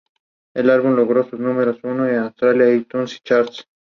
En "Revenge" tocó en la canción "Take It Off".